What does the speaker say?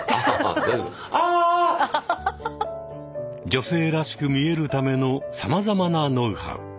女性らしく見えるためのさまざまなノウハウ。